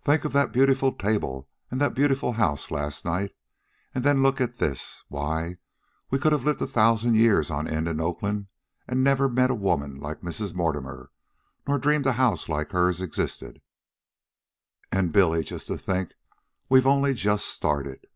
Think of that beautiful table and that beautiful house last night, and then look at this. Why, we could have lived a thousand years on end in Oakland and never met a woman like Mrs. Mortimer nor dreamed a house like hers existed. And, Billy, just to think, we've only just started."